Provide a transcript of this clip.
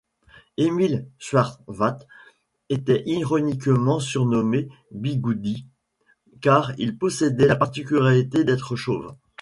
Émile Scharwath était ironiquement surnommé Bigoudi, car il possédait la particularité d'être chauve.